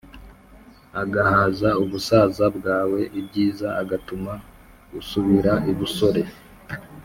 Agahaza ubusaza bwawe ibyiza agatuma usubira ibusore